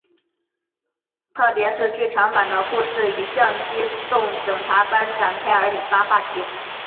特别的是剧场版的故事是以像机动警察般展开而引发话题。